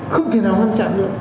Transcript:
không thể nào ngăn chặn được